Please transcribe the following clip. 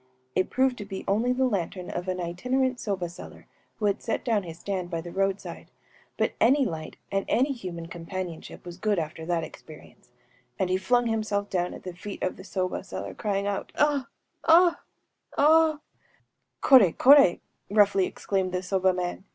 It proved to be only the lantern of an itinerant soba seller, who had set down his stand by the road side; but any light and any human companionship was good after that experience; and he flung himself down at the feet of the soba seller, crying out, ‚ÄúAh!‚ÄĒaa!!‚ÄĒ_aa!!!_‚ÄĚ... “_Koré! kor√©!_‚ÄĚ (3) roughly exclaimed the soba man.